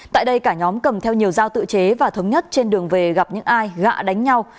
tại đây cả nhóm cầm theo nhiều giao tự chế và thống nhất trên đường về gặp những ai gạ đánh nhau